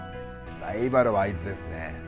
ライバルはあいつですね。